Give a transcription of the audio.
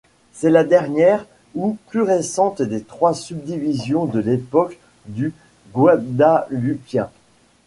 C'est la dernière ou plus récente des trois subdivisions de l'époque du Guadalupien.